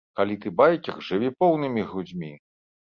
Калі ты байкер, жыві поўнымі грудзьмі!